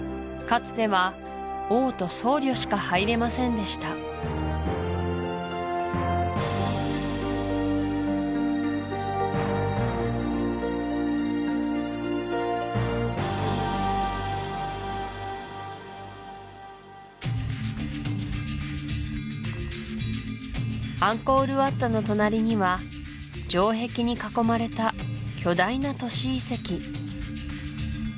つては王と僧侶しか入れませんでしたアンコール・ワットの隣には城壁に囲まれた巨大な都市遺跡